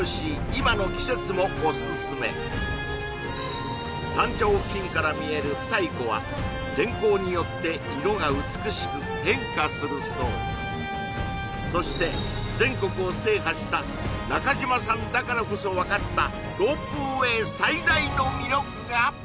今の季節もオススメ山頂付近から見える二居湖は天候によって色が美しく変化するそうそして全国を制覇した中島さんだからこそ分かった